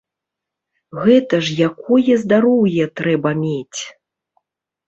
Гэта ж якое здароўе трэба мець!